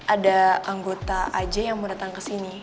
ada anggota aj yang mau datang kesini